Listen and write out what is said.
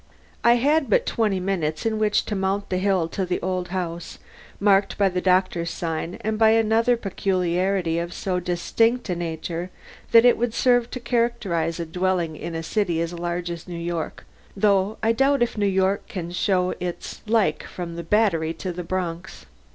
I had but twenty minutes in which to mount the hill to the old house marked by the doctor's sign and by another peculiarity of so distinct a nature that it would serve to characterize a dwelling in a city as large as New York though I doubt if New York can show its like from the Battery to the Bronx.